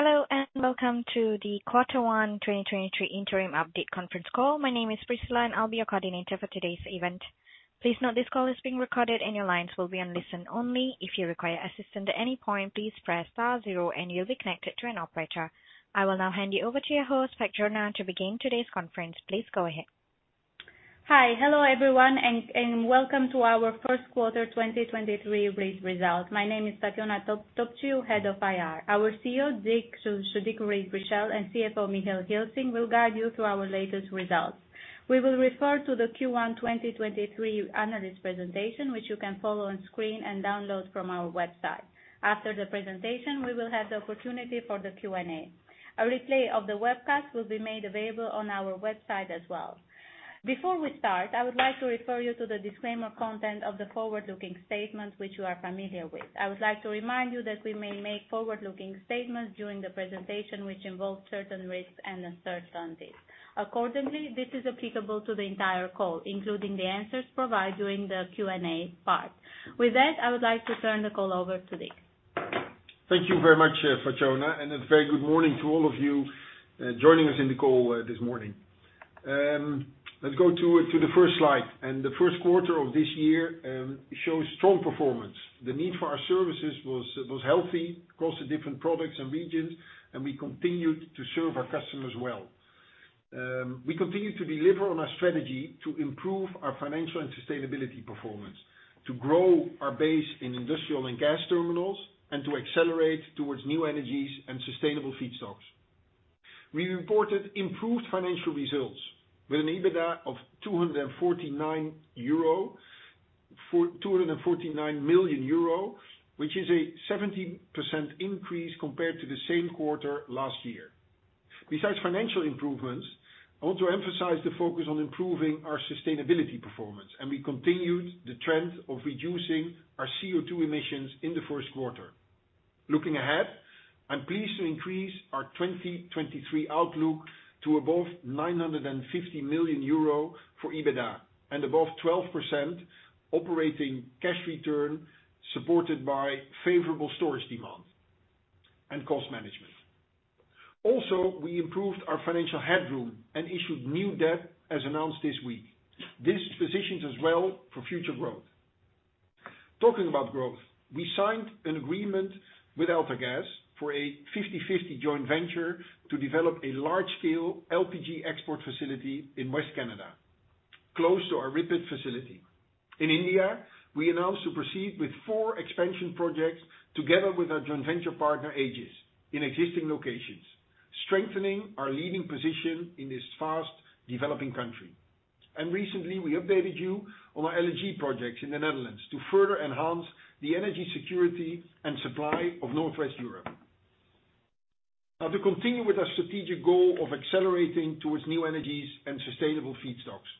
Hello, welcome to the Q1 2023 Interim Update Conference Call. My name is Priscilla, and I'll be your coordinator for today's event. Please note this call is being recorded, and your lines will be on listen only. If you require assistance at any point, please press star zero and you'll be connected to an operator. I will now hand you over to your host, Fatjona, to begin today's conference. Please go ahead. Hi. Hello, everyone, welcome to our Q1 2023 release result. My name is Fatjona Topciu, Head of IR. Our CEO, Dick Richelle, and CFO, Michiel Gilsing, will guide you through our latest results. We will refer to the Q1 2023 analyst presentation, which you can follow on screen and download from our website. After the presentation, we will have the opportunity for the Q&A. A replay of the webcast will be made available on our website as well. Before we start, I would like to refer you to the disclaimer content of the forward-looking statement which you are familiar with. I would like to remind you that we may make forward-looking statements during the presentation, which involve certain risks and uncertainties. Accordingly, this is applicable to the entire call, including the answers provided during the Q&A part. With that, I would like to turn the call over to Dick. Thank you very much, Fatjona. A very good morning to all of you joining us in the call this morning. Let's go to the first slide. The Q1 of this year shows strong performance. The need for our services was healthy across the different products and regions, and we continued to serve our customers well. We continued to deliver on our strategy to improve our financial and sustainability performance, to grow our base in industrial and gas terminals, and to accelerate towards new energies and sustainable feedstocks. We reported improved financial results with an EBITDA of 249 million euro, which is a 17% increase compared to the same quarter last year. Besides financial improvements, I want to emphasize the focus on improving our sustainability performance. We continued the trend of reducing our CO2 emissions in the Q1. Looking ahead, I'm pleased to increase our 2023 outlook to above 950 million euro for EBITDA, and above 12% operating cash return, supported by favorable storage demand and cost management. We improved our financial headroom and issued new debt as announced this week. This positions us well for future growth. Talking about growth, we signed an agreement with AltaGas for a 50/50 joint venture to develop a large scale LPG export facility in West Canada, close to our RIPET facility. In India, we announced to proceed with four expansion projects together with our joint venture partner, Aegis, in existing locations, strengthening our leading position in this fast-developing country. Recently, we updated you on our LNG projects in the Netherlands to further enhance the energy security and supply of Northwest Europe. To continue with our strategic goal of accelerating towards new energies and sustainable feedstocks,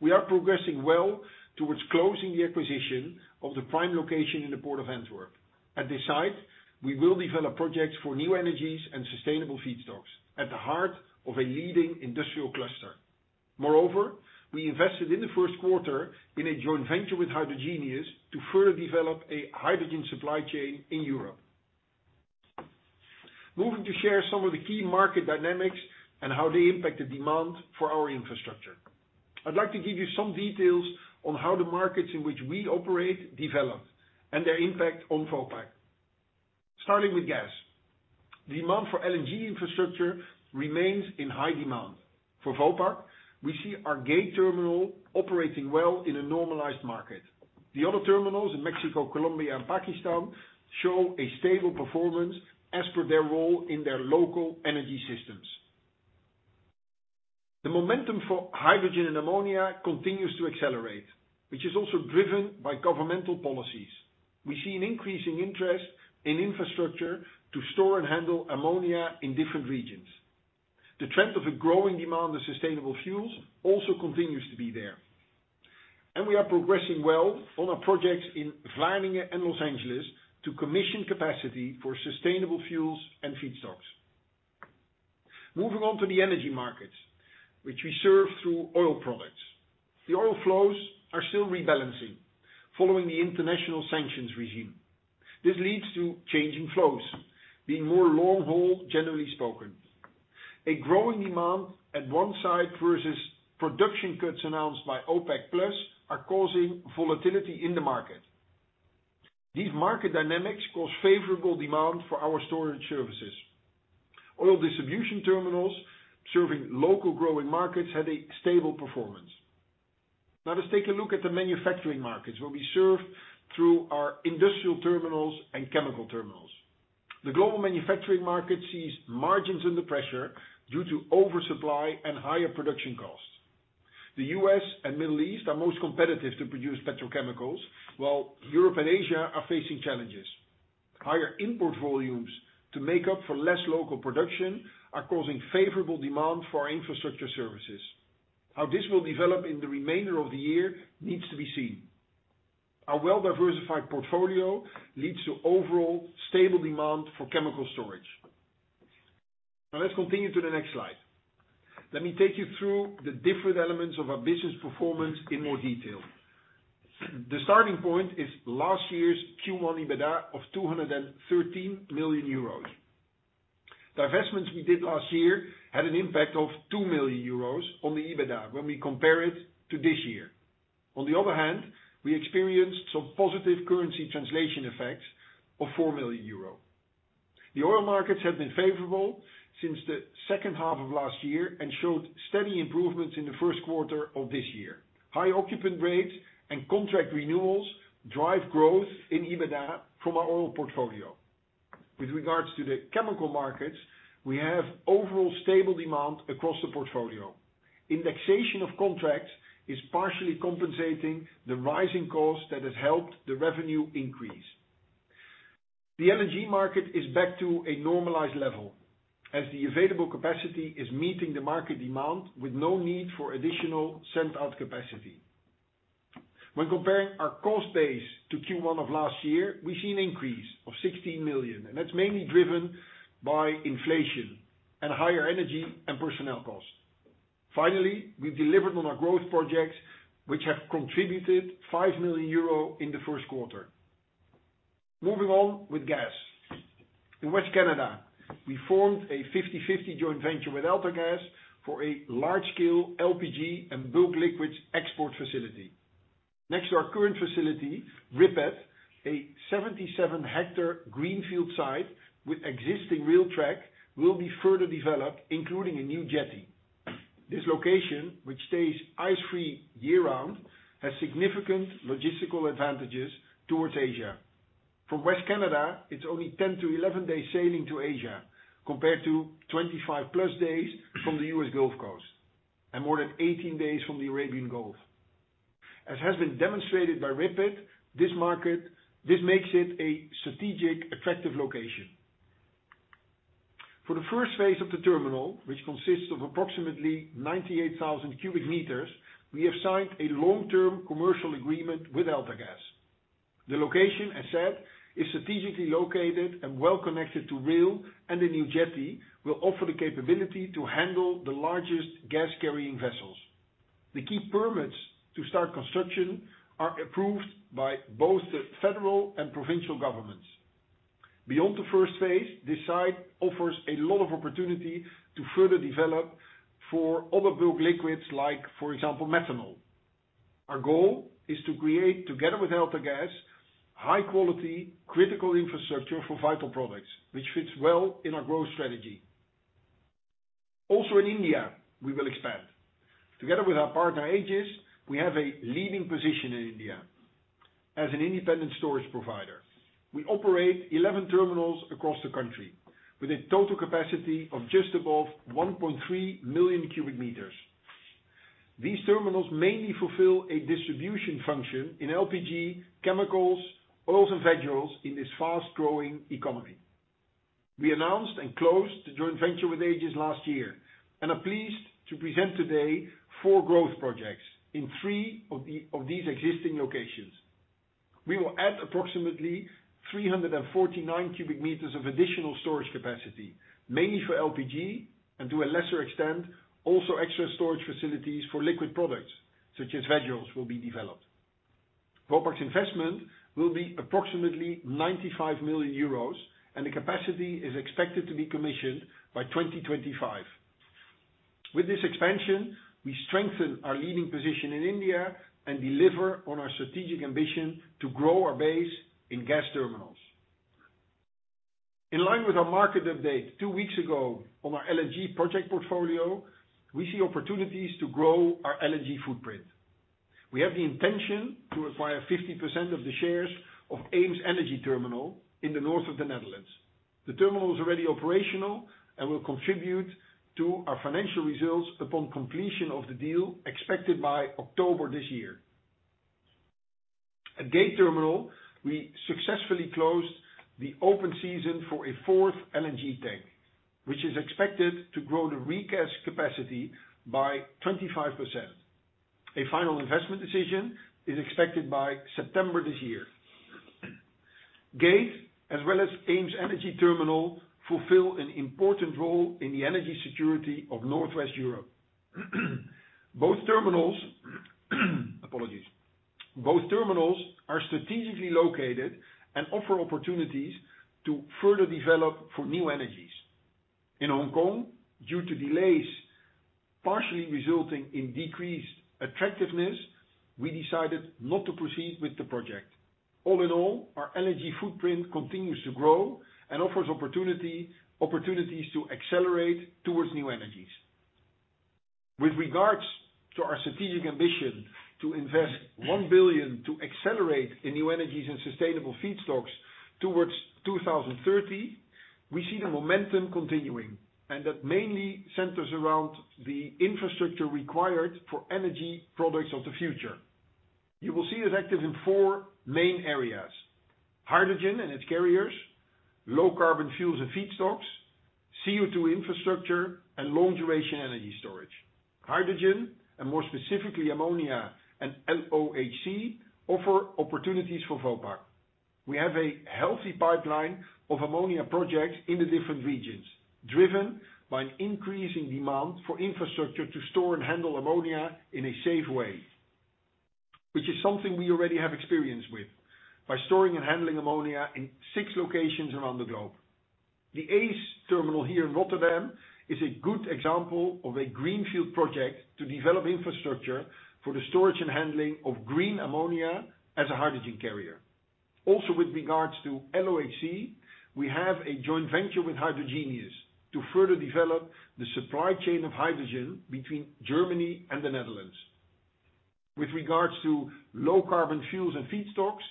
we are progressing well towards closing the acquisition of the prime location in the Port of Antwerp. At this site, we will develop projects for new energies and sustainable feedstocks at the heart of a leading industrial cluster. We invested in the Q1 in a joint venture with Hydrogenious to further develop a hydrogen supply chain in Europe. Moving to share some of the key market dynamics and how they impact the demand for our infrastructure. I'd like to give you some details on how the markets in which we operate developed and their impact on Vopak. Starting with gas. Demand for LNG infrastructure remains in high demand. For Vopak, we see our Gate terminal operating well in a normalized market. The other terminals in Mexico, Colombia and Pakistan show a stable performance as per their role in their local energy systems. The momentum for hydrogen and ammonia continues to accelerate, which is also driven by governmental policies. We see an increasing interest in infrastructure to store and handle ammonia in different regions. The trend of a growing demand of sustainable fuels also continues to be there. We are progressing well on our projects in Vlissingen and Los Angeles to commission capacity for sustainable fuels and feedstocks. Moving on to the energy markets, which we serve through oil products. The oil flows are still rebalancing following the international sanctions regime. This leads to changing flows being more long haul, generally spoken. A growing demand at one site versus production cuts announced by OPEC+ are causing volatility in the market. These market dynamics cause favorable demand for our storage services. Oil distribution terminals serving local growing markets had a stable performance. Let's take a look at the manufacturing markets, where we serve through our industrial terminals and chemical terminals. The global manufacturing market sees margins under pressure due to oversupply and higher production costs. The U.S. and Middle East are most competitive to produce petrochemicals, while Europe and Asia are facing challenges. Higher import volumes to make up for less local production are causing favorable demand for our infrastructure services. How this will develop in the remainder of the year needs to be seen. Our well-diversified portfolio leads to overall stable demand for chemical storage. Let's continue to the next slide. Let me take you through the different elements of our business performance in more detail. The starting point is last year's Q1 EBITDA of 213 million euros. Divestments we did last year had an impact of 2 million euros on the EBITDA when we compare it to this year. We experienced some positive currency translation effects of 4 million euro. The oil markets have been favorable since the second half of last year and showed steady improvements in the Q1 of this year. High occupant rates and contract renewals drive growth in EBITDA from our oil portfolio. With regards to the chemical markets, we have overall stable demand across the portfolio. Indexation of contracts is partially compensating the rising cost that has helped the revenue increase. The LNG market is back to a normalized level as the available capacity is meeting the market demand with no need for additional send-out capacity. When comparing our cost base to Q1 of last year, we see an increase of 16 million, and that's mainly driven by inflation and higher energy and personnel costs. Finally, we've delivered on our growth projects, which have contributed 5 million euro in the Q1. Moving on with gas. In West Canada, we formed a 50/50 joint venture with AltaGas for a large-scale LPG and bulk liquids export facility. Next to our current facility, RIPET, a 77 hectare greenfield site with existing rail track will be further developed, including a new jetty. This location, which stays ice-free year-round, has significant logistical advantages towards Asia. From West Canada, it's only 10-11 days sailing to Asia, compared to 25+ days from the U.S. Gulf Coast and more than 18 days from the Arabian Gulf. As has been demonstrated by RIPET, this makes it a strategic, attractive location. For the first phase of the terminal, which consists of approximately 98,000 cubic meters, we have signed a long-term commercial agreement with AltaGas. The location, as said, is strategically located and well-connected to rail, and the new jetty will offer the capability to handle the largest gas-carrying vessels. The key permits to start construction are approved by both the federal and provincial governments. Beyond the first phase, this site offers a lot of opportunity to further develop for other bulk liquids like, for example, methanol. Our goal is to create, together with AltaGas, high-quality, critical infrastructure for vital products, which fits well in our growth strategy. In India, we will expand. Together with our partner, Aegis, we have a leading position in India as an independent storage provider. We operate 11 terminals across the country with a total capacity of just above 1.3 million cubic meters. These terminals mainly fulfill a distribution function in LPG, chemicals, oils and vegetables in this fast-growing economy. We announced and closed the joint venture with Aegis last year and are pleased to present today four growth projects in three of these existing locations. We will add approximately 349 cubic meters of additional storage capacity, mainly for LPG and to a lesser extent, also extra storage facilities for liquid products, such as vegetables, will be developed. Vopak's investment will be approximately 95 million euros. The capacity is expected to be commissioned by 2025. With this expansion, we strengthen our leading position in India and deliver on our strategic ambition to grow our base in gas terminals. In line with our market update two weeks ago on our LNG project portfolio, we see opportunities to grow our LNG footprint. We have the intention to acquire 50% of the shares of EemsEnergyTerminal in the north of the Netherlands. The terminal is already operational and will contribute to our financial results upon completion of the deal expected by October this year. At Gate terminal, we successfully closed the Open Season for a fourth LNG tank, which is expected to grow the regas capacity by 25%. A Final Investment Decision is expected by September this year. Gate, as well as EemsEnergyTerminal, fulfill an important role in the energy security of Northwest Europe. Both terminals are strategically located and offer opportunities to further develop for new energies. In Hong Kong, due to delays, partially resulting in decreased attractiveness, we decided not to proceed with the project. All in all, our LNG footprint continues to grow and offers opportunities to accelerate towards new energies. With regards to our strategic ambition to invest 1 billion to accelerate in new energies and sustainable feedstocks towards 2030, we see the momentum continuing, and that mainly centers around the infrastructure required for energy products of the future. You will see us active in four main areas: hydrogen and its carriers, low carbon fuels and feedstocks, CO2 infrastructure, and long-duration energy storage. Hydrogen, more specifically ammonia and LOHC, offer opportunities for Vopak. We have a healthy pipeline of ammonia projects in the different regions, driven by an increasing demand for infrastructure to store and handle ammonia in a safe way, which is something we already have experience with by storing and handling ammonia in 6 locations around the globe. The ACE Terminal here in Rotterdam is a good example of a greenfield project to develop infrastructure for the storage and handling of green ammonia as a hydrogen carrier. With regards to LOHC, we have a joint venture with Hydrogenious to further develop the supply chain of hydrogen between Germany and the Netherlands. With regards to low carbon fuels and feedstocks,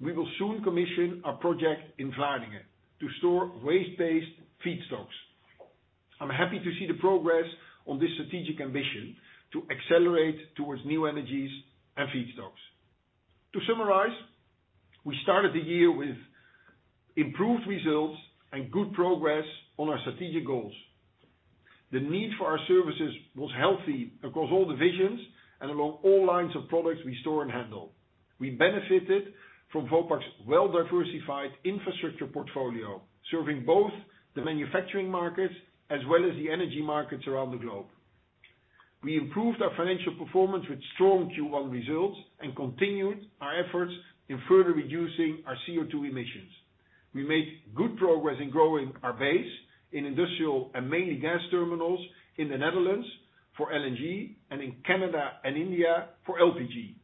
we will soon commission a project in Vlaardingen to store waste-based feedstocks. I'm happy to see the progress on this strategic ambition to accelerate towards new energies and feedstocks. To summarize, we started the year with improved results and good progress on our strategic goals. The need for our services was healthy across all divisions and along all lines of products we store and handle. We benefited from Vopak's well-diversified infrastructure portfolio, serving both the manufacturing markets as well as the energy markets around the globe. We improved our financial performance with strong Q1 results and continued our efforts in further reducing our CO2 emissions. We made good progress in growing our base in industrial and mainly gas terminals in the Netherlands for LNG and in Canada and India for LPG.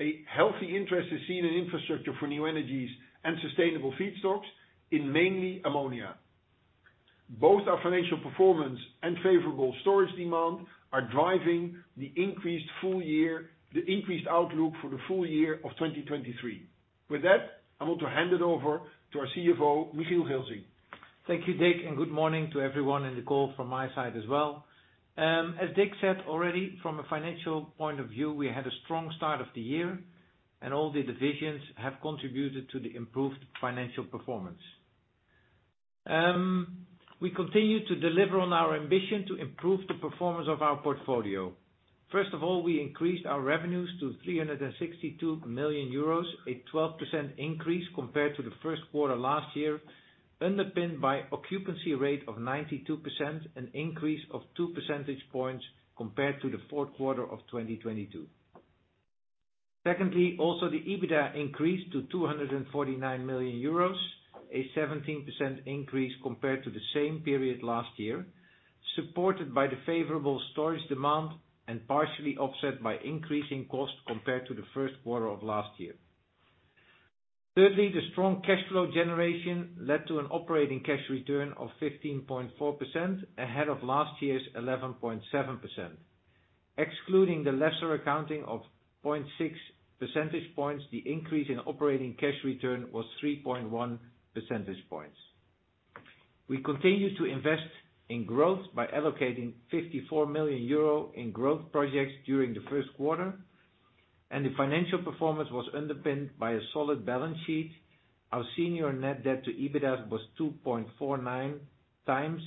A healthy interest is seen in infrastructure for new energies and sustainable feedstocks in mainly ammonia. Both our financial performance and favorable storage demand are driving the increased outlook for the full year of 2023. With that, I want to hand it over to our CFO, Michiel Gilsing. Thank you, Dick, and good morning to everyone in the call from my side as well. As Dick said already, from a financial point of view, we had a strong start of the year and all the divisions have contributed to the improved financial performance. We continue to deliver on our ambition to improve the performance of our portfolio. First of all, we increased our revenues to 362 million euros, a 12% increase compared to the Q1 last year, underpinned by occupancy rate of 92%, an increase of 2 percentage points compared to the Q4 of 2022. Secondly, also the EBITDA increased to 249 million euros, a 17% increase compared to the same period last year, supported by the favorable storage demand and partially offset by increasing costs compared to the Q1 of last year. Thirdly, the strong cash flow generation led to an operating cash return of 15.4%, ahead of last year's 11.7%. Excluding the lesser accounting of 0.6 percentage points, the increase in operating cash return was 3.1 percentage points. We continue to invest in growth by allocating 54 million euro in growth projects during the Q1, and the financial performance was underpinned by a solid balance sheet. Our senior net debt to EBITDA was 2.49 times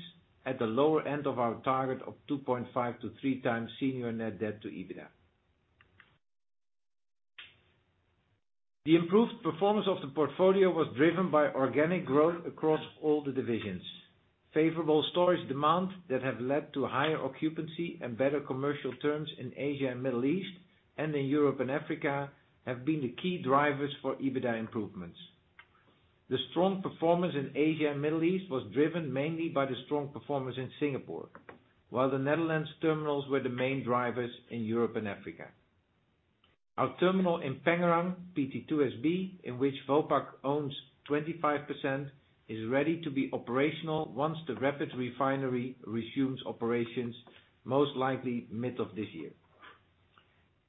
at the lower end of our target of 2.5-3 times senior net debt to EBITDA. The improved performance of the portfolio was driven by organic growth across all the divisions. Favorable storage demand that have led to higher occupancy and better commercial terms in Asia and Middle East, and in Europe and Africa, have been the key drivers for EBITDA improvements. The strong performance in Asia and Middle East was driven mainly by the strong performance in Singapore, while the Netherlands terminals were the main drivers in Europe and Africa. Our terminal in Pengerang, PT2SB, in which Vopak owns 25%, is ready to be operational once the RAPID refinery resumes operations, most likely mid of this year.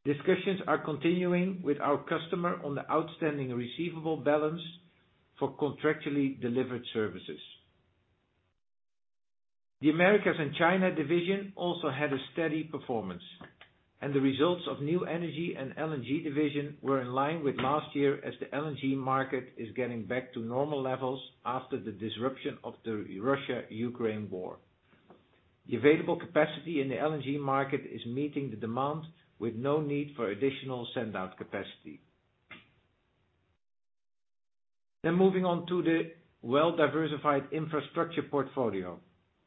Discussions are continuing with our customer on the outstanding receivable balance for contractually delivered services. The Americas and China division also had a steady performance, and the results of new energy and LNG division were in line with last year as the LNG market is getting back to normal levels after the disruption of the Russia-Ukraine war. The available capacity in the LNG market is meeting the demand with no need for additional send-out capacity. Moving on to the well-diversified infrastructure portfolio.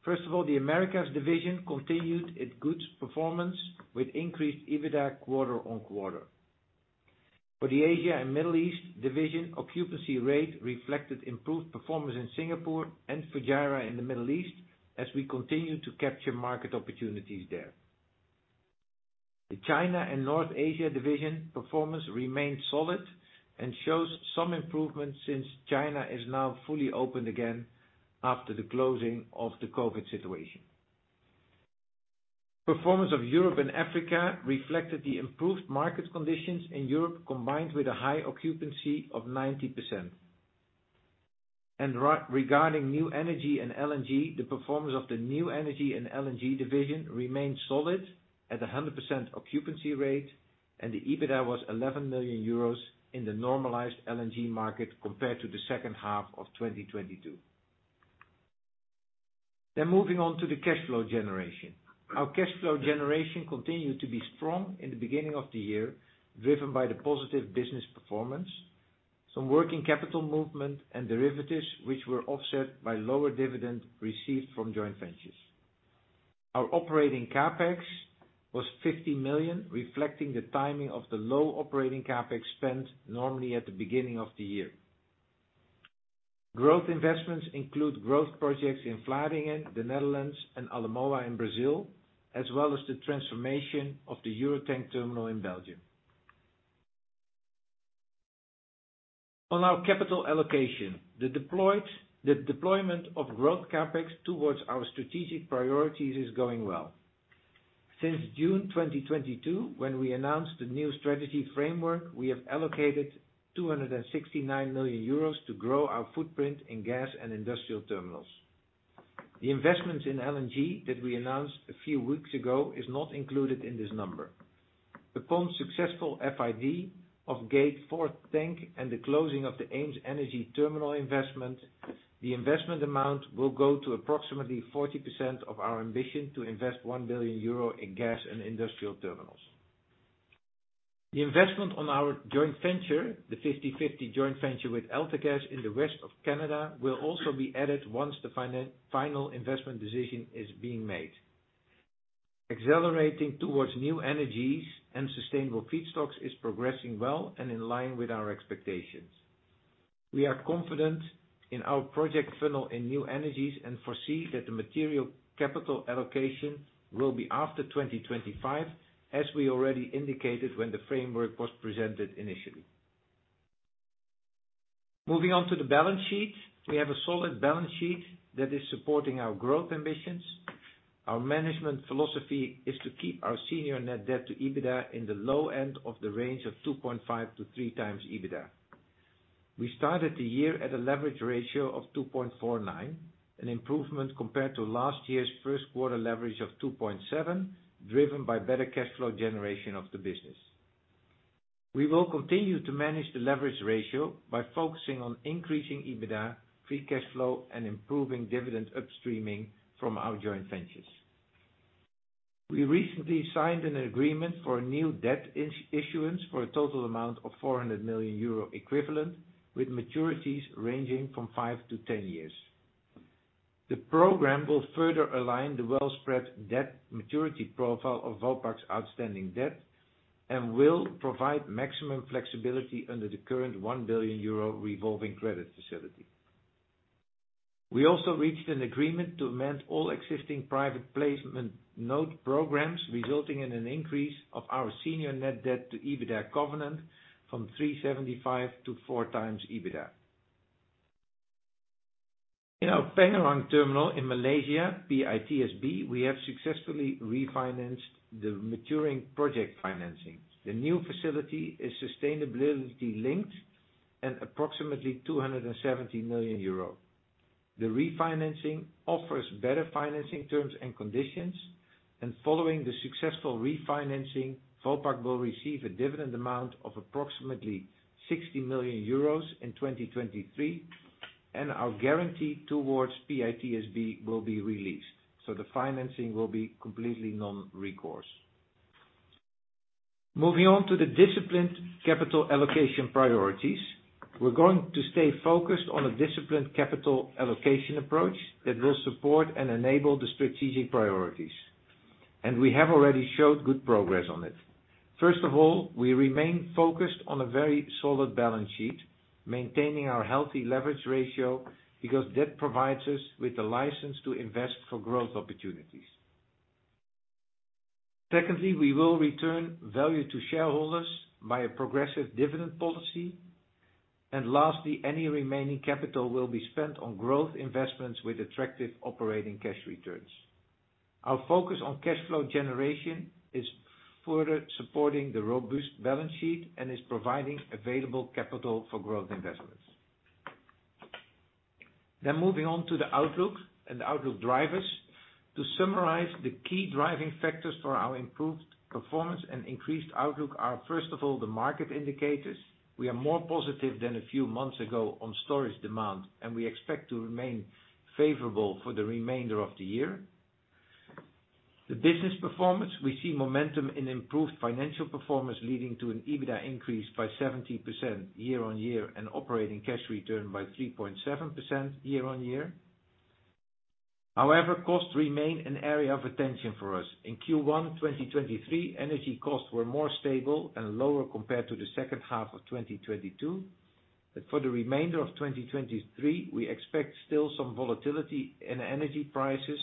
First of all, the Americas division continued its good performance with increased EBITDA quarter on quarter. For the Asia and Middle East division, occupancy rate reflected improved performance in Singapore and Fujairah in the Middle East as we continue to capture market opportunities there. The China and North Asia division performance remained solid and shows some improvement since China is now fully opened again after the closing of the COVID situation. Performance of Europe and Africa reflected the improved market conditions in Europe, combined with a high occupancy of 90%. Regarding new energy and LNG, the performance of the new energy and LNG division remained solid at a 100% occupancy rate, the EBITDA was 11 million euros in the normalized LNG market compared to the second half of 2022. Moving on to the cash flow generation. Our cash flow generation continued to be strong in the beginning of the year, driven by the positive business performance, some working capital movement and derivatives, which were offset by lower dividend received from joint ventures. Our operating CapEx was 50 million, reflecting the timing of the low operating CapEx spend normally at the beginning of the year. Growth investments include growth projects in Vlaardingen, the Netherlands, and Alemoa in Brazil, as well as the transformation of the Eurotank terminal in Belgium. On our capital allocation, the deployment of growth CapEx towards our strategic priorities is going well. Since June 2022, when we announced the new strategy framework, we have allocated 269 million euros to grow our footprint in gas and industrial terminals. The investments in LNG that we announced a few weeks ago is not included in this number. Upon successful FID of Gate fourth tank and the closing of the EemsEnergyTerminal investment, the investment amount will go to approximately 40% of our ambition to invest 1 billion euro in gas and industrial terminals. The investment on our joint venture, the 50/50 joint venture with AltaGas in the west of Canada, will also be added once the final investment decision is being made. Accelerating towards new energies and sustainable feedstocks is progressing well and in line with our expectations. We are confident in our project funnel in new energies and foresee that the material capital allocation will be after 2025, as we already indicated when the framework was presented initially. Moving on to the balance sheet. We have a solid balance sheet that is supporting our growth ambitions. Our management philosophy is to keep our senior net debt to EBITDA in the low end of the range of 2.5-3 times EBITDA. We started the year at a leverage ratio of 2.49, an improvement compared to last year's Q1 leverage of 2.7, driven by better cash flow generation of the business. We will continue to manage the leverage ratio by focusing on increasing EBITDA, free cash flow, and improving dividend upstreaming from our joint ventures. We recently signed an agreement for a new debt issuance for a total amount of 400 million euro equivalent, with maturities ranging from 5 to 10 years. The program will further align the well spread debt maturity profile of Vopak's outstanding debt and will provide maximum flexibility under the current 1 billion euro revolving credit facility. We also reached an agreement to amend all existing private placement note programs, resulting in an increase of our senior net debt to EBITDA covenant from 3.75 to 4 times EBITDA. In our Pengerang terminal in Malaysia, PITSB, we have successfully refinanced the maturing project financing. The new facility is sustainability-linked and approximately 270 million euro. The refinancing offers better financing terms and conditions, and following the successful refinancing, Vopak will receive a dividend amount of approximately 60 million euros in 2023, and our guarantee towards PITSB will be released, so the financing will be completely non-recourse. Moving on to the disciplined capital allocation priorities. We're going to stay focused on a disciplined capital allocation approach that will support and enable the strategic priorities, and we have already showed good progress on it. First of all, we remain focused on a very solid balance sheet, maintaining our healthy leverage ratio, because that provides us with the license to invest for growth opportunities. Secondly, we will return value to shareholders by a progressive dividend policy. Lastly, any remaining capital will be spent on growth investments with attractive operating cash returns. Our focus on cash flow generation is further supporting the robust balance sheet and is providing available capital for growth investments. Moving on to the outlook and outlook drivers. To summarize the key driving factors for our improved performance and increased outlook are, first of all, the market indicators. We are more positive than a few months ago on storage demand, and we expect to remain favorable for the remainder of the year. The business performance, we see momentum in improved financial performance leading to an EBITDA increase by 70% year-over-year and operating cash return by 3.7% year-over-year. However, costs remain an area of attention for us. In Q1 2023, energy costs were more stable and lower compared to the second half of 2022. For the remainder of 2023, we expect still some volatility in energy prices.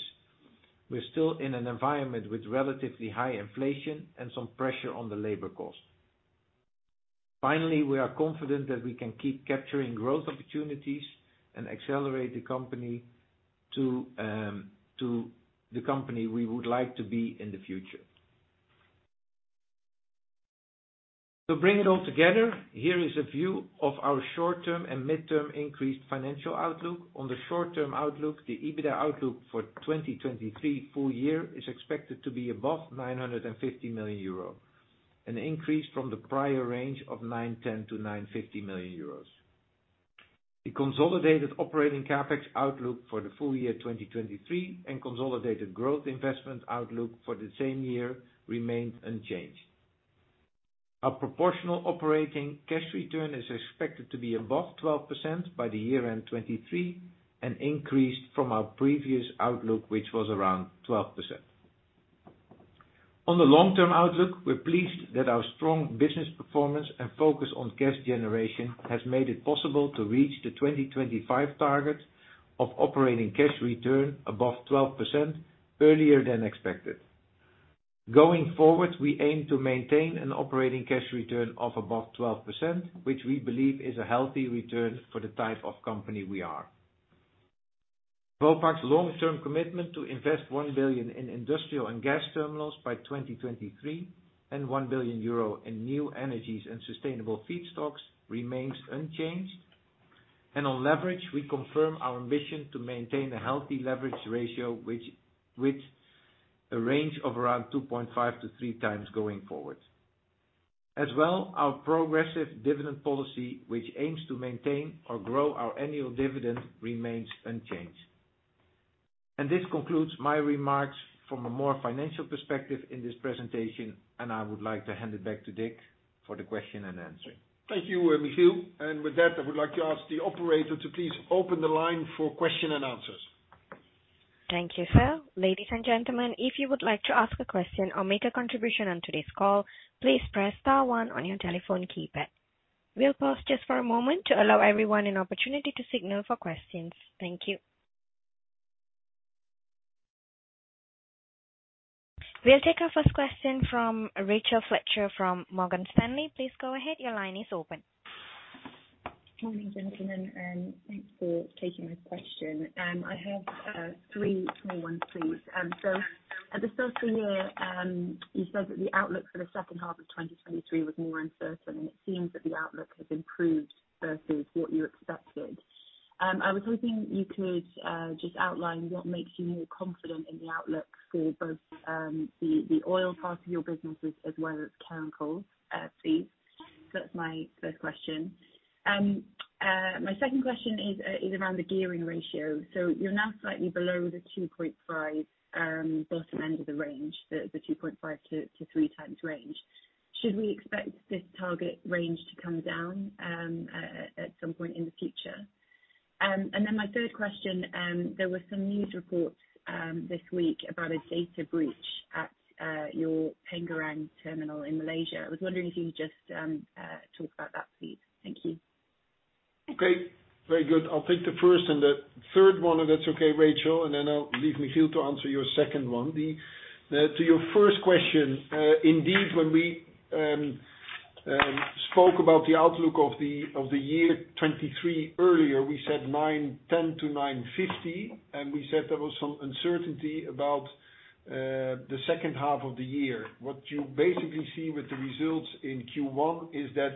We're still in an environment with relatively high inflation and some pressure on the labor cost. Finally, we are confident that we can keep capturing growth opportunities and accelerate the company to the company we would like to be in the future. To bring it all together, here is a view of our short-term and midterm increased financial outlook. On the short-term outlook, the EBITDA outlook for 2023 full year is expected to be above 950 million euros, an increase from the prior range of 910 million-950 million euros. The consolidated operating CapEx outlook for the full year 2023 and consolidated growth investment outlook for the same year remains unchanged. Our proportional operating cash return is expected to be above 12% by the year-end 2023 and increased from our previous outlook, which was around 12%. On the long term outlook, we're pleased that our strong business performance and focus on cash generation has made it possible to reach the 2025 target of operating cash return above 12% earlier than expected. Going forward, we aim to maintain an operating cash return of above 12%, which we believe is a healthy return for the type of company we are. Vopak's long term commitment to invest 1 billion in industrial and gas terminals by 2023 and 1 billion euro in new energies and sustainable feedstocks remains unchanged. On leverage, we confirm our ambition to maintain a healthy leverage ratio which a range of around 2.5-3 times going forward. Our progressive dividend policy, which aims to maintain or grow our annual dividend, remains unchanged. This concludes my remarks from a more financial perspective in this presentation, and I would like to hand it back to Dick for the question and answer. Thank you, Michiel. With that, I would like to ask the operator to please open the line for question and answers. Thank you, sir. Ladies and gentlemen, if you would like to ask a question or make a contribution on today's call, please press star one on your telephone keypad. We'll pause just for a moment to allow everyone an opportunity to signal for questions. Thank you. We'll take our first question from Rachel Fletcher from Morgan Stanley. Please go ahead. Your line is open. Morning, gentlemen, thanks for taking my question. I have three small ones, please. At the social year, you said that the outlook for the second half of 2023 was more uncertain, it seems that the outlook has improved versus what you expected. I was hoping you could just outline what makes you more confident in the outlook for both the oil part of your businesses as well as chemicals, please. That's my first question. My second question is around the gearing ratio. You're now slightly below the 2.5 bottom end of the range, the 2.5-3 times range. Should we expect this target range to come down at some point in the future? My third question, there were some news reports this week about a data breach at your Pengerang terminal in Malaysia. I was wondering if you could just talk about that, please. Thank you. Okay, very good. I'll take the first and the third one, if that's okay, Rachel Fletcher, and then I'll leave Michiel Gilsing to answer your second one. To your first question, indeed, when we spoke about the outlook of the year 2023 earlier, we said 910-950, and we said there was some uncertainty about the second half of the year. What you basically see with the results in Q1 is that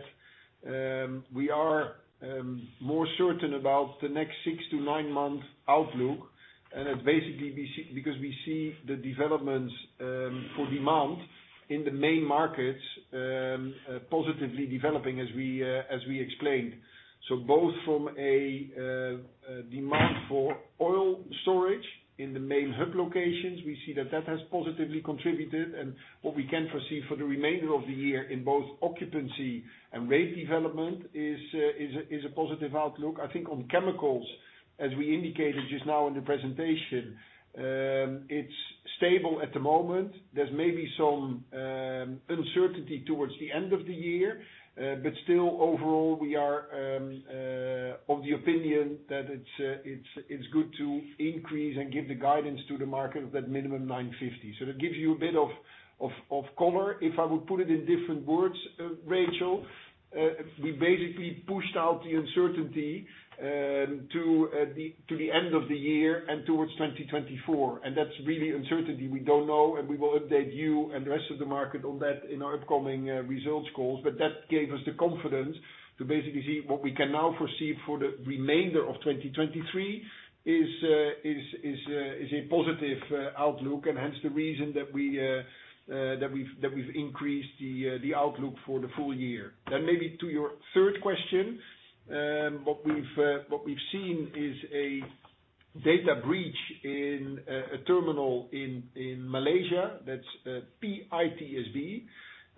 we are more certain about the next six to nine-month outlook. Basically because we see the developments for demand in the main markets positively developing as we explained. Both from a demand for oil storage in the main hub locations, we see that has positively contributed. What we can foresee for the remainder of the year in both occupancy and rate development is a positive outlook. I think on chemicals, as we indicated just now in the presentation, it's stable at the moment. There's maybe some uncertainty towards the end of the year, but still overall we are of the opinion that it's good to increase and give the guidance to the market of that minimum 950 million. That gives you a bit of color. If I would put it in different words, Rachel, we basically pushed out the uncertainty to the end of the year and towards 2024, and that's really uncertainty. We don't know, and we will update you and the rest of the market on that in our upcoming results calls. That gave us the confidence to basically see what we can now foresee for the remainder of 2023 is a positive outlook and hence the reason that we've increased the outlook for the full year. Maybe to your third question, what we've seen is a data breach in a terminal in Malaysia. That's PITSB,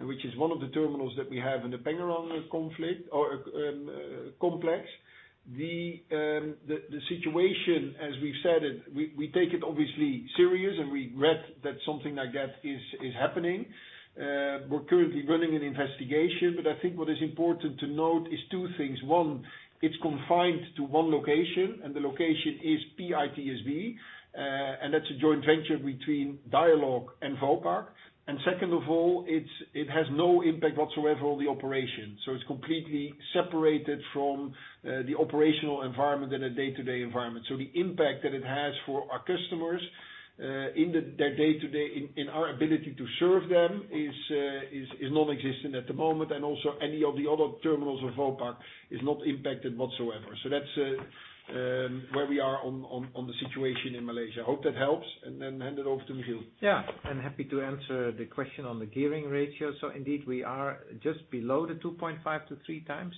which is one of the terminals that we have in the Pengerang conflict or complex. The situation, as we've said it, we take it obviously serious and regret that something like that is happening. We're currently running an investigation, I think what is important to note is two things. One, it's confined to one location, the location is PITSB, that's a joint venture between Dialog and Vopak. Second of all, it has no impact whatsoever on the operation. It's completely separated from the operational environment and a day-to-day environment. The impact that it has for our customers, in their day-to-day, in our ability to serve them is non-existent at the moment, and also any of the other terminals of Vopak is not impacted whatsoever. That's where we are on the situation in Malaysia. I hope that helps, then hand it over to Michiel. Yeah. I'm happy to answer the question on the gearing ratio. Indeed, we are just below the 2.5-3 times.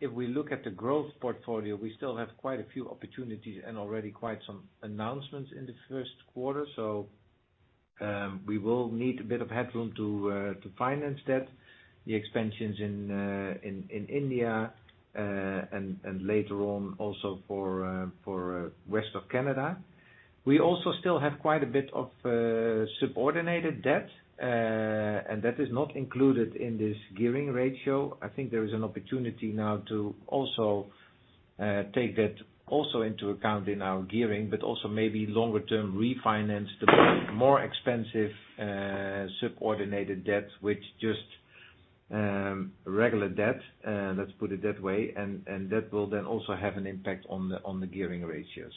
If we look at the growth portfolio, we still have quite a few opportunities and already quite some announcements in the Q1. We will need a bit of headroom to finance that, the expansions in India, and later on also for west of Canada. We also still have quite a bit of subordinated debt, and that is not included in this gearing ratio. I think there is an opportunity now to also take that also into account in our gearing, but also maybe longer term refinance the more expensive, subordinated debt, which just regular debt, let's put it that way. That will then also have an impact on the gearing ratio.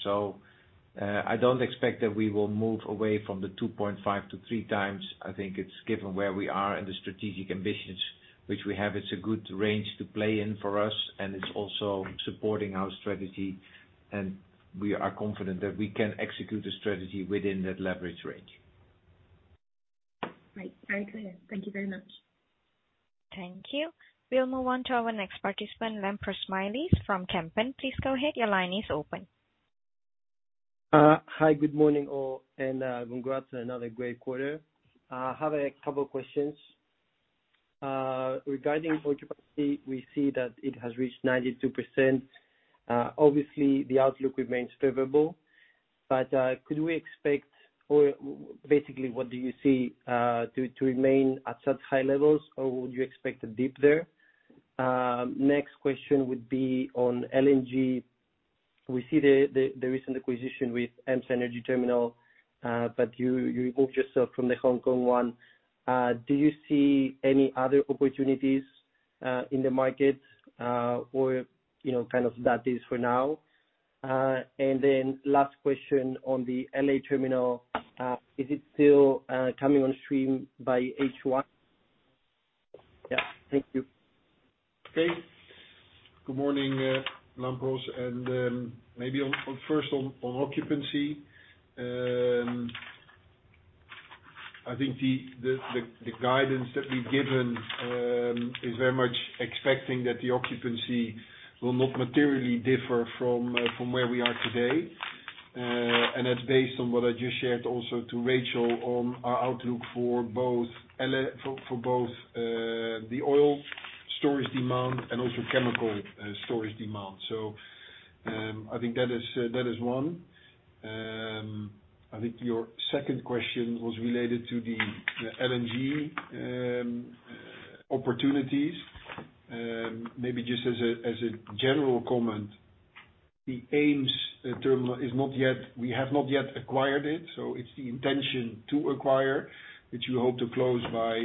I don't expect that we will move away from the 2.5 to 3 times. I think it's given where we are in the strategic ambitions which we have, it's a good range to play in for us and it's also supporting our strategy. We are confident that we can execute the strategy within that leverage range. Right. Very clear. Thank you very much. Thank you. We'll move on to our next participant, Lampros Smailis from Kempen. Please go ahead. Your line is open. Hi, good morning, all, congrats on another great quarter. I have a couple questions. Regarding occupancy, we see that it has reached 92%. Obviously the outlook remains favorable. Could we expect or basically what do you see to remain at such high levels or would you expect a dip there? Next question would be on LNG. We see the recent acquisition with EemsEnergyTerminal, but you removed yourself from the Hong Kong one. Do you see any other opportunities in the market, or, you know, kind of that is for now? Last question on the L.A. terminal, is it still coming on stream by H1? Yeah. Thank you. Okay. Good morning, Lampros. Maybe first on occupancy. I think the guidance that we've given is very much expecting that the occupancy will not materially differ from where we are today. That's based on what I just shared also to Rachel on our outlook for both the oil storage demand and also chemical storage demand. I think that is one. I think your second question was related to the LNG opportunities. Maybe just as a general comment, We have not yet acquired it, so it's the intention to acquire, which we hope to close by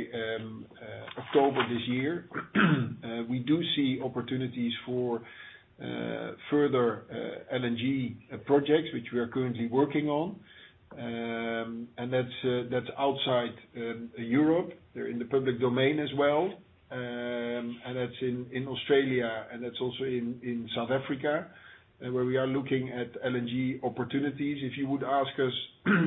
October this year. We do see opportunities for further LNG projects which we are currently working on. That's outside Europe. They're in the public domain as well. That's in Australia and that's also in South Africa, where we are looking at LNG opportunities. If you would ask us,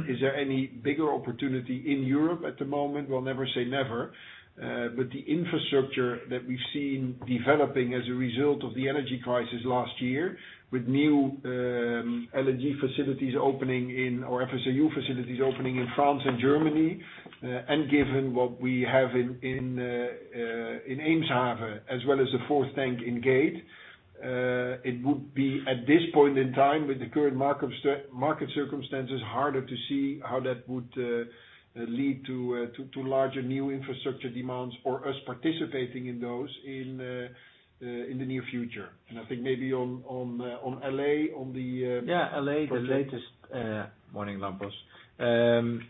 is there any bigger opportunity in Europe at the moment? We'll never say never. The infrastructure that we've seen developing as a result of the energy crisis last year with new LNG facilities opening in, or FSRU facilities opening in France and Germany, and given what we have in Eemshaven as well as the fourth tank in Gate, it would be at this point in time with the current market circumstances, harder to see how that would lead to larger new infrastructure demands or us participating in those in the near future. Yeah, L.A., the latest. Morning, Lampros.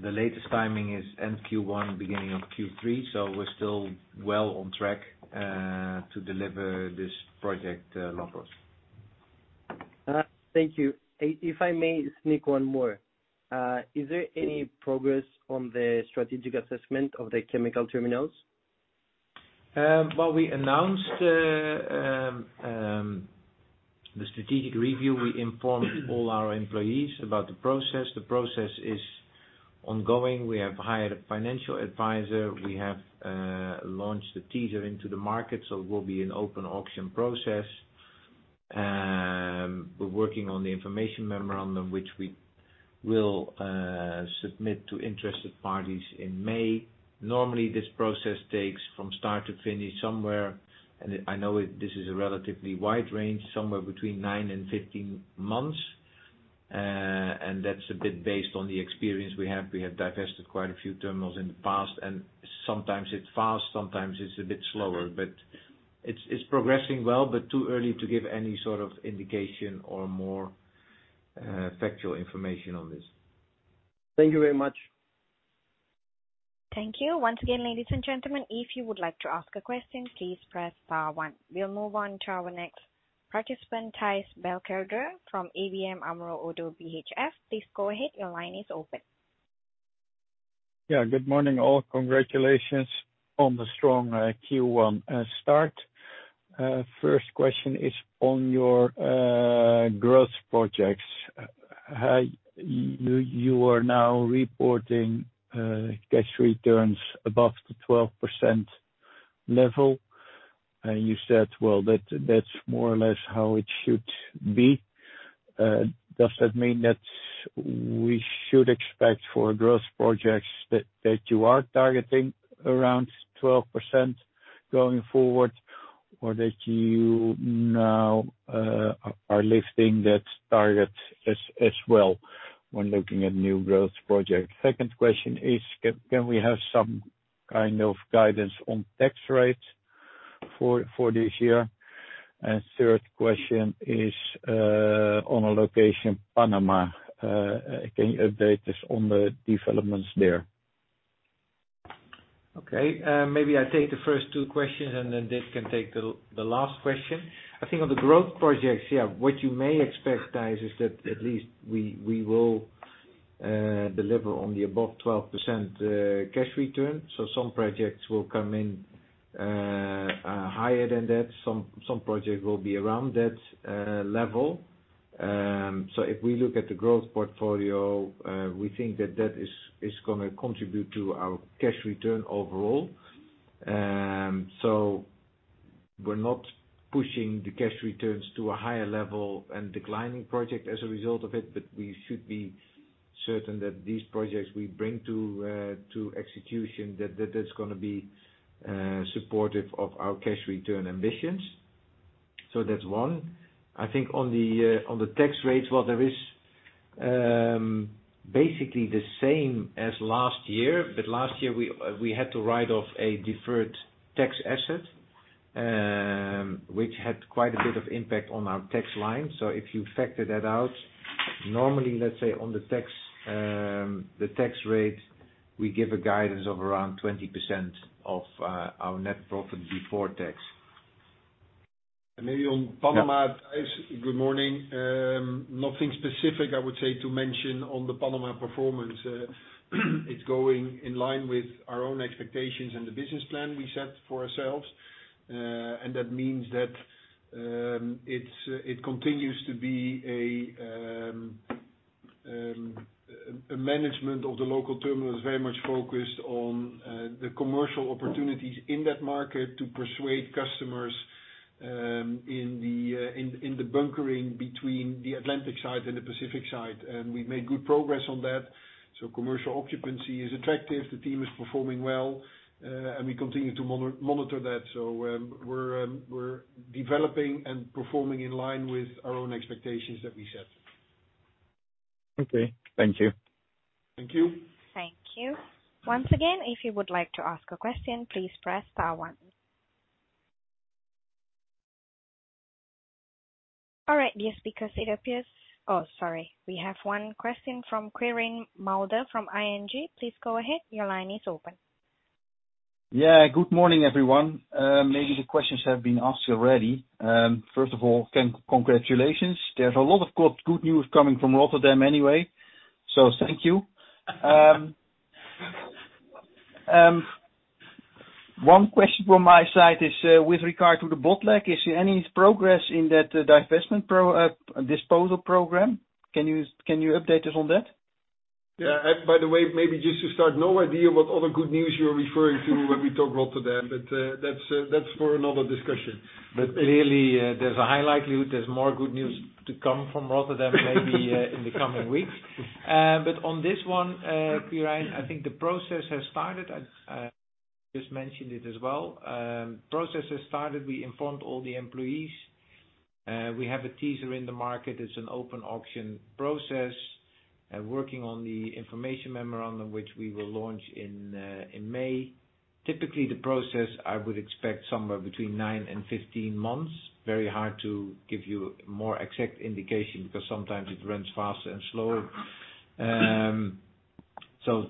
The latest timing is end Q1, beginning of Q3. We're still well on track to deliver this project, Lampros. Thank you. If I may sneak one more. Is there any progress on the strategic assessment of the chemical terminals? Well, we announced the strategic review. We informed all our employees about the process. The process is ongoing. We have hired a financial advisor. We have launched the teaser into the market, so it will be an open auction process. We're working on the information memorandum, which we will submit to interested parties in May. Normally, this process takes from start to finish somewhere, and I know this is a relatively wide range, somewhere between 9 and 15 months. That's a bit based on the experience we have. We have divested quite a few terminals in the past, and sometimes it's fast, sometimes it's a bit slower. It's progressing well, but too early to give any sort of indication or more factual information on this. Thank you very much. Thank you. Once again, ladies and gentlemen, if you would like to ask a question, please press star one. We'll move on to our next participant, Thijs Berkelder from ABN AMRO ODDO BHF. Please go ahead. Your line is open. Good morning, all. Congratulations on the strong Q1 start. First question is on your growth projects. You are now reporting cash returns above the 12% level. You said, well, that's more or less how it should be. Does that mean that we should expect for growth projects that you are targeting around 12% going forward, or that you now are lifting that target as well when looking at new growth projects? Second question is, can we have some kind of guidance on tax rates for this year? Third question is on a location, Panama. Can you update us on the developments there? Okay. Maybe I take the first two questions, then Dick can take the last question. I think on the growth projects, yeah, what you may expect, Thijs, is that at least we will deliver on the above 12% cash return. Some projects will come in higher than that, some projects will be around that level. If we look at the growth portfolio, we think that is gonna contribute to our cash return overall. We're not pushing the cash returns to a higher level and declining project as a result of it, but we should be certain that these projects we bring to execution that is gonna be supportive of our cash return ambitions. That's one. I think on the tax rates, well, there is basically the same as last year, but last year we had to write off a deferred tax asset, which had quite a bit of impact on our tax line. If you factor that out, normally, let's say on the tax, the tax rate, we give a guidance of around 20% of our net profit before tax. Maybe on Panama. Thijs, good morning. Nothing specific, I would say, to mention on the Panama performance. It's going in line with our own expectations and the business plan we set for ourselves. That means that it continues to be a management of the local terminal is very much focused on the commercial opportunities in that market to persuade customers in the bunkering between the Atlantic side and the Pacific side. We've made good progress on that, so commercial occupancy is attractive, the team is performing well, and we continue to monitor that. We're developing and performing in line with our own expectations that we set. Okay, thank you. Thank you. Thank you. Once again, if you would like to ask a question, please press star one. All right, dear speakers, it appears. Oh, sorry. We have one question from Quirijn Mulder from ING. Please go ahead. Your line is open. Good morning, everyone. Maybe the questions have been asked already. First of all, congratulations. There's a lot of good news coming from Rotterdam anyway, so thank you. One question from my side is with regard to the Botlek. Is there any progress in that divestment disposal program? Can you update us on that? Yeah. By the way, maybe just to start, no idea what other good news you're referring to when we talk Rotterdam, but that's that's for another discussion. Clearly, there's a high likelihood there's more good news to come from Rotterdam maybe in the coming weeks. On this one, Quirijn, I think the process has started. I just mentioned it as well. Process has started. We informed all the employees. We have a teaser in the market. It's an open auction process. Working on the information memorandum, which we will launch in May. Typically, the process, I would expect somewhere between nine and 15 months. Very hard to give you more exact indication because sometimes it runs faster and slower.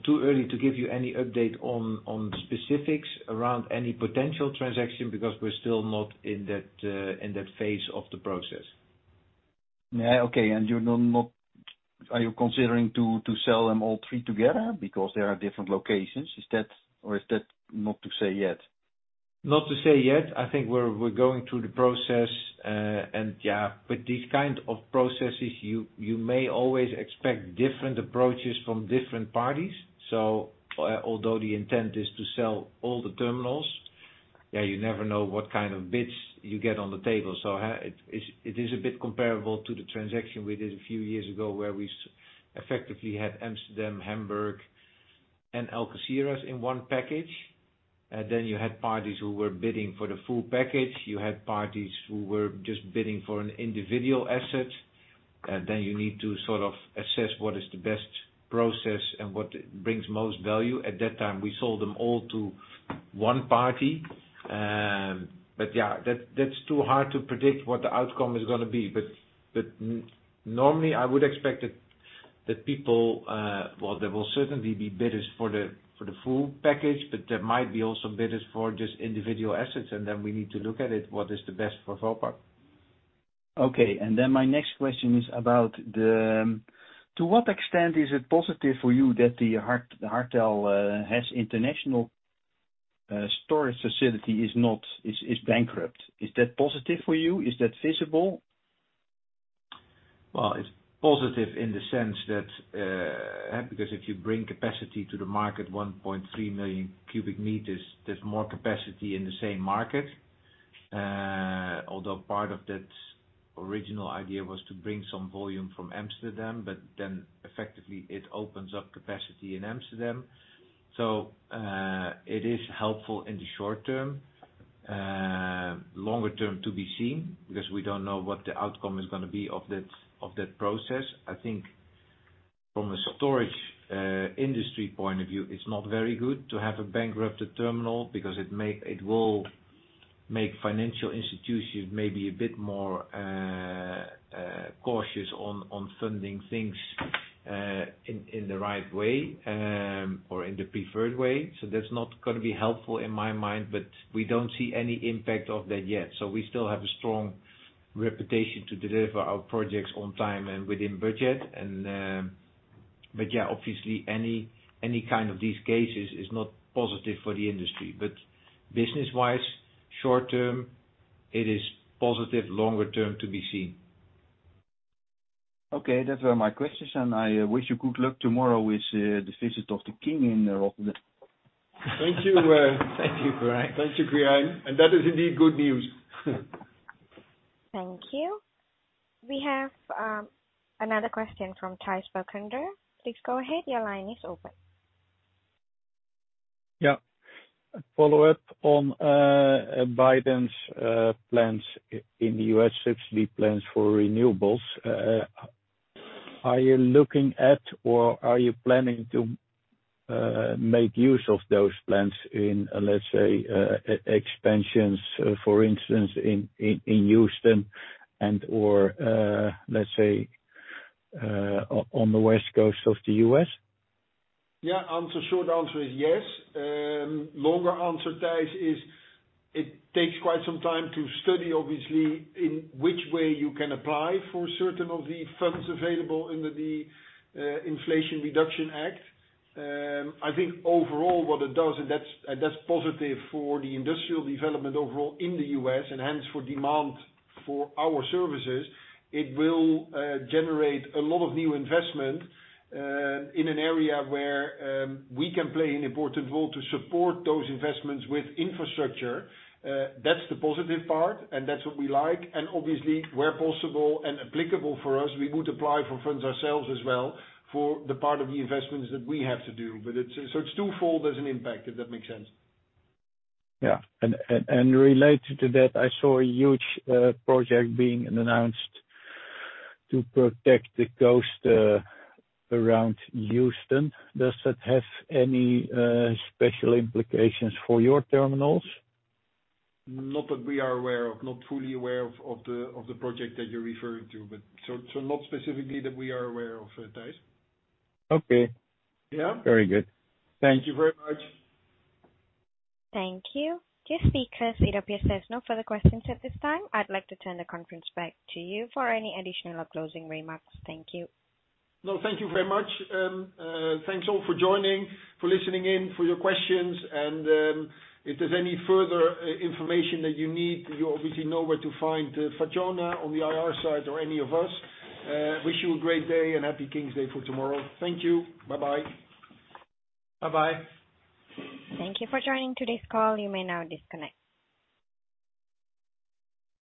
Too early to give you any update on specifics around any potential transaction because we're still not in that phase of the process. Yeah, okay. Are you considering to sell them all three together? Because they are different locations. Is that, or is that not to say yet? Not to say yet. I think we're going through the process. Yeah, with these kind of processes, you may always expect different approaches from different parties. Although the intent is to sell all the terminals, yeah, you never know what kind of bids you get on the table. It is a bit comparable to the transaction we did a few years ago where we effectively had Amsterdam, Hamburg, and Algeciras in one package. You had parties who were bidding for the full package. You had parties who were just bidding for an individual asset. You need to sort of assess what is the best process and what brings most value. At that time, we sold them all to one party. Yeah, that's too hard to predict what the outcome is gonna be. Normally I would expect that people, well, there will certainly be bidders for the full package, but there might be also bidders for just individual assets, we need to look at it, what is the best for Vopak. Okay. My next question is about the... To what extent is it positive for you that the Hartel, HES International storage facility is bankrupt? Is that positive for you? Is that feasible? Well, it's positive in the sense that, because if you bring capacity to the market, 1.3 million cubic meters, there's more capacity in the same market. Although part of that original idea was to bring some volume from Amsterdam, but then effectively it opens up capacity in Amsterdam. It is helpful in the short term. Longer term to be seen, because we don't know what the outcome is gonna be of that, of that process. I think from a storage industry point of view, it's not very good to have a bankrupted terminal because it will make financial institutions maybe a bit more cautious on funding things in the right way, or in the preferred way. That's not gonna be helpful in my mind, but we don't see any impact of that yet. We still have a strong reputation to deliver our projects on time and within budget and. Yeah, obviously, any kind of these cases is not positive for the industry. Business wise, short term, it is positive. Longer term, to be seen. Okay. Those were my questions, and I wish you good luck tomorrow with the visit of the King in Rotterdam. Thank you. Thank you, Quirijn. Thank you, Quirijn. That is indeed good news. Thank you. We have another question from Thijs Berkelder. Please go ahead. Your line is open. Yeah. A follow-up on Biden's plans in the U.S., specifically plans for renewables. Are you looking at or are you planning to make use of those plans in, let's say, expansions, for instance, in Houston and/or, let's say, on the West Coast of the U.S.? Yeah. Short answer is yes. Longer answer, Thijs, is it takes quite some time to study, obviously, in which way you can apply for certain of the funds available under the Inflation Reduction Act. I think overall what it does, and that's, and that's positive for the industrial development overall in the U.S. and hence for demand for our services, it will generate a lot of new investment in an area where we can play an important role to support those investments with infrastructure. That's the positive part, and that's what we like. Obviously, where possible and applicable for us, we would apply for funds ourselves as well for the part of the investments that we have to do. It's twofold as an impact, if that makes sense. Yeah. Related to that, I saw a huge project being announced to protect the coast around Houston. Does that have any special implications for your terminals? Not that we are aware of. Not fully aware of the project that you're referring to, but... Not specifically that we are aware of, Tijs. Okay. Yeah. Very good. Thank you. Thank you very much. Thank you. Dear speakers, AWP has no further questions at this time. I'd like to turn the conference back to you for any additional or closing remarks. Thank you. No, thank you very much. Thanks all for joining, for listening in, for your questions. If there's any further information that you need, you obviously know where to find Fatjona on the IR side or any of us. Wish you a great day and happy King's Day for tomorrow. Thank you. Bye-bye. Bye-bye. Thank you for joining today's call. You may now disconnect.